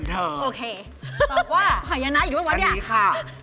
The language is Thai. ตอบว่าค่ะอันนี้ค่ะ